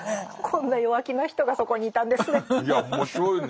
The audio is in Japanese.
こんな弱気な人がそこにいたんですね。